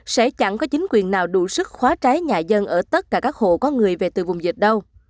sẽ chẳng có chính quyền nào đủ sức khóa trái nhà dân ở tất cả các hộ có người về từ vùng dịch đâu